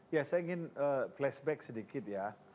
ya saya ingin flashback sedikit ya